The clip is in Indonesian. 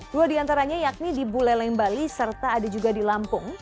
dua di antaranya yakni di buleleng bali serta ada juga di lampung